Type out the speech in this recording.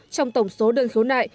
trong tổng số đơn khiếu nại